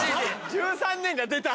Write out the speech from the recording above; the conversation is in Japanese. １３年が出た！